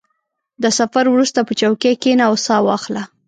• د سفر وروسته، په چوکۍ کښېنه او سا واخله.